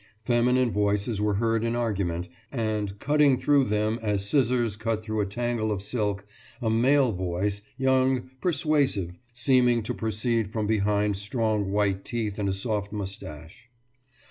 Feminine voices were heard in argument and, cutting through them as scissors cut through a tangle of silk, a male voice, young, persuasive, seeming to proceed from behind strong white teeth and a soft moustache.